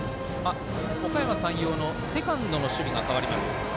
おかやま山陽のセカンドの守備が変わります。